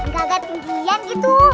gak gak tinggi gitu